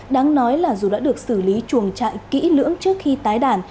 đáng nói là dù đã được xử lý chuồng trại kỹ lưỡng trước khi tái đàn